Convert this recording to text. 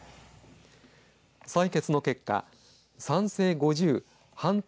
採決の結果賛成５０反対